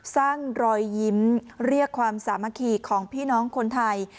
สร้างรอยยิ้มเรียกความสามารถขี่ของพี่น้องคนไทย